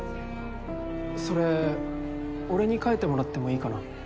それ俺に描いてもらってもいいかな？